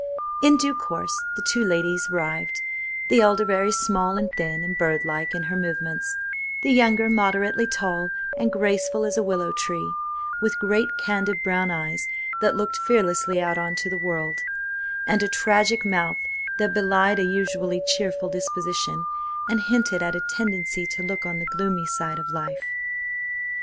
In due course the two ladies arrived, the elder very small and thin, and birdlike in her movements, the younger moderately tall, and graceful as a willow tree, with great candid brown eyes that looked fearlessly out on to the world, and a tragic mouth that belied a usually cheerful disposition, and hinted at a tendency to look on the gloomy side of life.